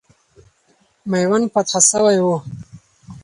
میوند فتح سوی وو.